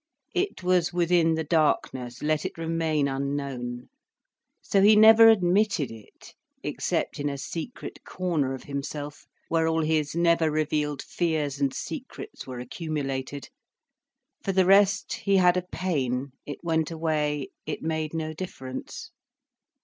It was within the darkness, let it remain unknown. So he never admitted it, except in a secret corner of himself, where all his never revealed fears and secrets were accumulated. For the rest, he had a pain, it went away, it made no difference.